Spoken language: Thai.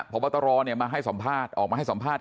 เพราะว่าตรอเนี่ยมาให้สัมภาษณ์ออกมาให้สัมภาษณ์